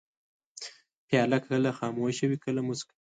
پیاله کله خاموشه وي، کله موسک وي.